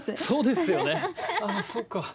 そうですよねあぁそっか。